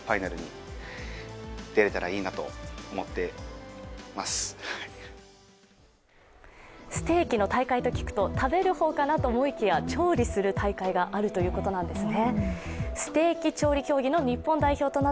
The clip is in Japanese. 世界への意気込みはステーキの大会と聞くと食べる方かなと思いきや調理する大会があるということなんですね。